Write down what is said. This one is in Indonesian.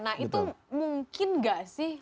nah itu mungkin gak sih